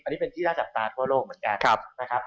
อันนี้เป็นที่น่าจับตาทั่วโลกเหมือนกันนะครับ